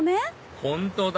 本当だ！